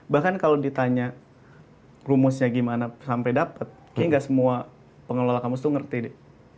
bahkan kalau ditanya rumusnya gimana sampai dapat hingga semua pengelola kampus itu ngerti deh